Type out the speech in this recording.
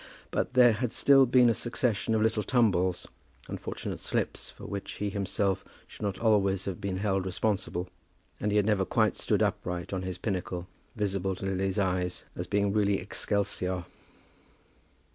But there had still been a succession of little tumbles, unfortunate slips for which he himself should not always have been held responsible; and he had never quite stood upright on his pinnacle, visible to Lily's eyes as being really excelsior.